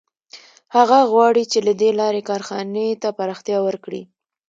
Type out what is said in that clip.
هغه غواړي چې له دې لارې کارخانې ته پراختیا ورکړي